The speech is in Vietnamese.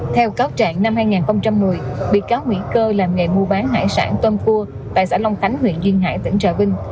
theo cáo trạng năm hai nghìn một mươi bị cáo nguyễn cơ làm nghề mua bán hải sản tôm cua tại xã long khánh huyện duyên hải tỉnh trà vinh